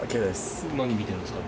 何見てるんですか？